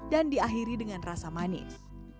dan diakhiri dengan rasa manis